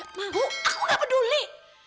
aku gak peduli